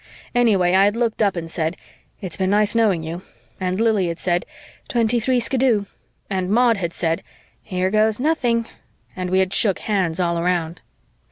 Anyway, I had looked up and said, "It's been nice knowing you," and Lili had said, "Twenty three, skiddoo," and Maud had said, "Here goes nothing," and we had shook hands all around.